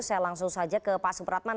saya langsung saja ke pak supratman